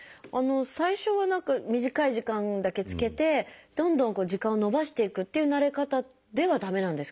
最初は短い時間だけ着けてどんどん時間を延ばしていくっていう慣れ方では駄目なんですか？